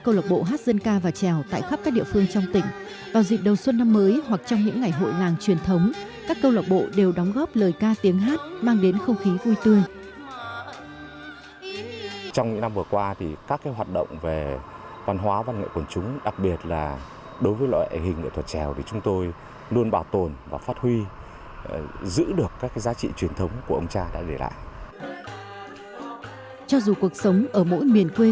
câu lạc bộ hát dân ca và trèo xã xuân khê huyện lý nhân và câu lạc bộ dân ca quần chúng phường đồng văn thị xã xuân khê huyện lý nhân và câu lạc bộ dân ca quần chúng phường đồng văn thị xã xuân khê